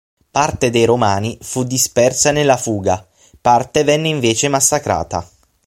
Parte dei Romani fu dispersa nella fuga, parte venne invece massacrata.